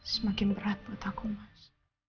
semakin berat buat aku mas